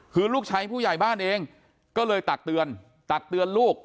คือลูกชายผู้ใหญ่บ้านเองก็เลยตักเตือนตักเตือนลูก